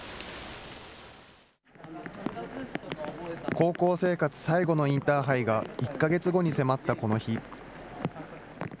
高校生活最後のインターハイが１か月後に迫ったこの日。